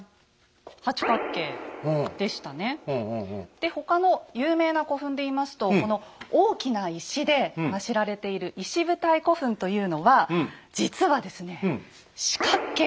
で他の有名な古墳でいいますとこの大きな石で知られている石舞台古墳というのは実はですね四角形なんですね。